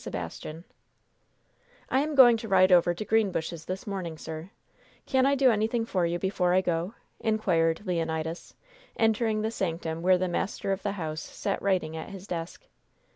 SEBASTIAN "I am going to ride over to Greenbushes this morning, sir; can I do anything for you before I go?" inquired Leonidas, entering the sanctum where the master of the house sat writing at his desk.